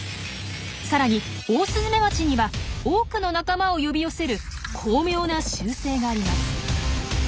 さらにオオスズメバチには多くの仲間を呼び寄せる巧妙な習性があります。